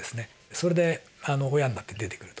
それで親になって出てくると。